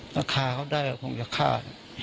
ถ้าฆ่าเขาได้ก็คงจะฆ่า